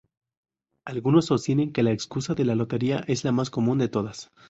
Algunos sostienen que la excusa de la lotería es la más común de todas.